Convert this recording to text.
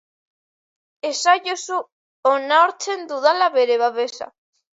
Esaiozu onartzen dudala bere babesa.